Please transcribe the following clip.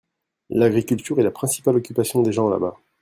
L'agriculture est la principale occupation des gens la-bàs.